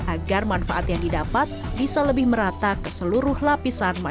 agar manfaat yang didapat bisa lebih merata ke seluruh lapisan masyarakat